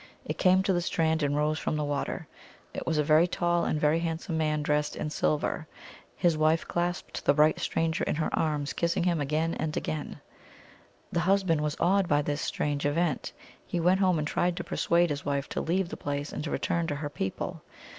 It came to the strand and rose from the water. It was a very tall and very hand some man, dressed in silver. His wife clasped the bright stranger in her arms, kissing him again and again. The husband was awed by this strange event. He went home, and tried to persuade his wife to leave the place and to return to her people.